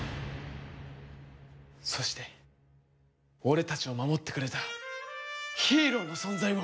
そして俺たちを守ってくれたヒーローの存在を。